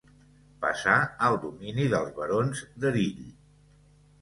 Passà al domini dels barons d'Erill.